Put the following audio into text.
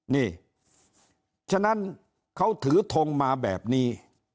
นี่ฉะนั้นเขาถือทงมาแบบนี้